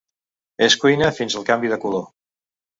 Es cuina fins al canvi de color.